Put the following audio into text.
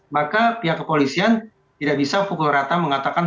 maka pihak kepolisian tidak bisa pukul rata mengatakan